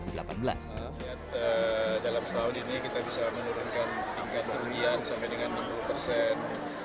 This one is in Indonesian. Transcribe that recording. dalam setahun ini kita bisa menurunkan tingkat kerugian sampai dengan enam puluh persen